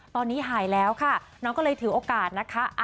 ตอนนี้หายแล้วค่ะน้องก็เลยถือโอกาสนะคะ